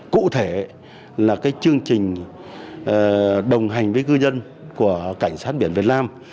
cụ thể là chương trình đồng hành với ngư dân của cảnh sát biển việt nam